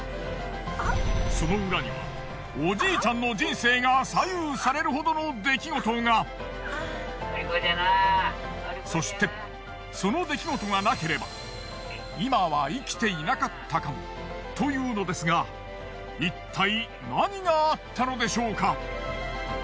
その裏にはおじいちゃんのそしてその出来事がなければ今は生きていなかったかもというのですがいったい何があったのでしょうか？